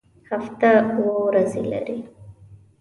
هفته اووه ورځې لري